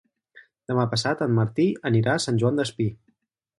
Demà passat en Martí anirà a Sant Joan Despí.